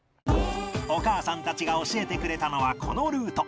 お母さんたちが教えてくれたのはこのルート